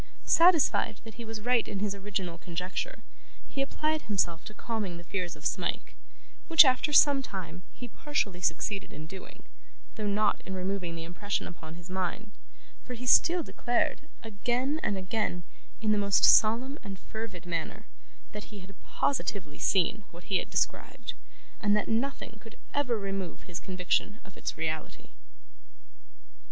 Satisfied that he was right in his original conjecture, he applied himself to calming the fears of Smike, which, after some time, he partially succeeded in doing, though not in removing the impression upon his mind; for he still declared, again and again, in the most solemn and fervid manner, that he had positively seen what he had described, and that nothing could ever remove his conviction of its reality.